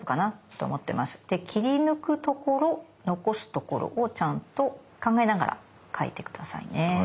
で切り抜くところ残すところをちゃんと考えながら描いて下さいね。